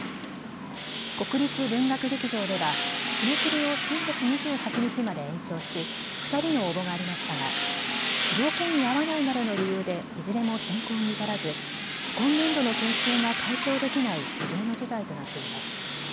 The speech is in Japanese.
国立文楽劇場では締め切りを先月２８日まで延長し２人の応募がありましたが条件に合わないなどの理由でいずれも選考に至らず今年度の研修が開講できない異例の事態となっています。